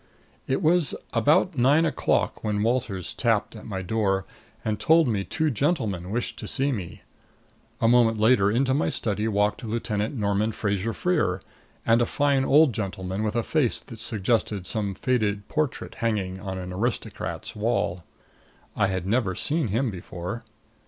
It was about nine o'clock when Walters tapped at my door and told me two gentlemen wished to see me. A moment later into my study walked Lieutenant Norman Fraser Freer and a fine old gentleman with a face that suggested some faded portrait hanging on an aristocrat's wall. I had never seen him before.